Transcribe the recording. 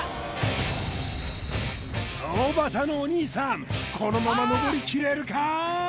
おばたのお兄さんこのままのぼりきれるか？